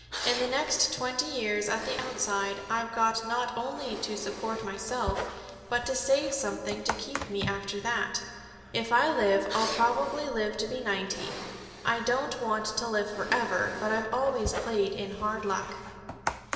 In the next twenty years, at the outside, I've got not only to support myself, but to save something to keep me after that, if I live. I'll probably live to be ninety. I don't want to live forever, but I've always played in hard luck."